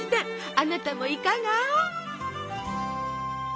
あなたもいかが？